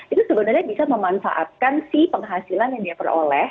itu sebenarnya bisa memanfaatkan si penghasilan yang dia peroleh